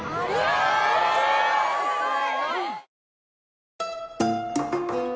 すごい！